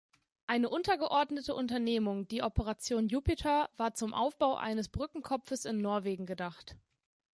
Eine untergeordnete Unternehmung, die Operation Jupiter, war zum Aufbau eines Brückenkopfes in Norwegen gedacht.